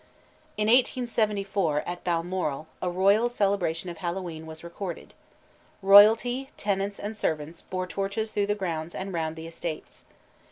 In 1874, at Balmoral, a royal celebration of Hallowe'en was recorded. Royalty, tenants, and servants bore torches through the grounds and round the estates.